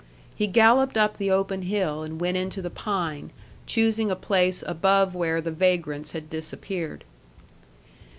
He galloped up the open hill and went into the pine, choosing a place above where the vagrants had disappeared.